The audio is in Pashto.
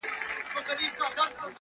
کله به نوم له خپله ځانه د غلام اړوم